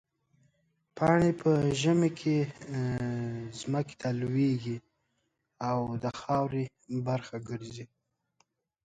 پاڼې په ژمي کې ځمکې ته لوېږي او د خاورې برخه ګرځي.